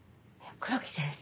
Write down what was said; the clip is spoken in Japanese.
黒木先生。